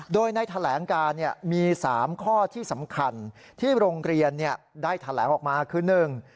โดยในแถลงการมี๓ข้อที่สำคัญที่โรงเรียนได้แถลงออกมาคือ